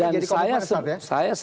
dan saya sebetulnya